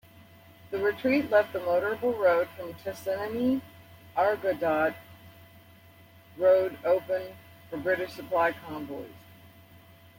The retreat left the motorable road from Tessenei-Agordat road open for British supply convoys.